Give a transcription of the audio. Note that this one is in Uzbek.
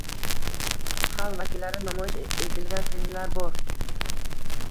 Xalq vakillari namoyish etilgan filmlar bor.